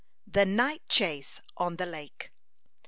THE NIGHT CHASE ON THE LAKE.